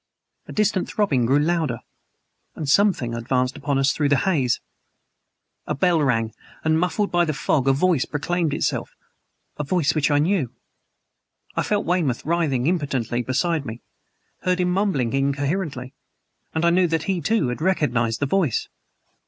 A distant throbbing grew louder and something advanced upon us through the haze. A bell rang and muffled by the fog a voice proclaimed itself a voice which I knew. I felt Weymouth writhing impotently beside me; heard him mumbling incoherently; and I knew that he, too, had recognized the voice.